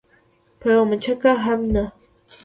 په یوه مچکه هم نه.